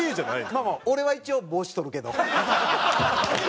まあまあ俺は一応帽子取るけど。